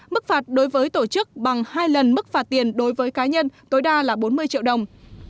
mức phạt đối với tổ chức bằng hai lần mức phạt tiền đối với cá nhân tối đa là bốn mươi triệu đồng